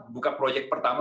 buka proyek pertama